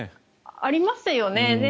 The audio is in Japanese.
ありましたよね。